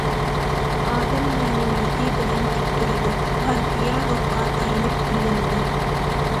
ئادەم مەنىۋىيىتى بىلەن تىك تۇرىدۇ، پارتىيە روھقا تايىنىپ گۈللىنىدۇ.